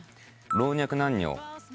老若男女。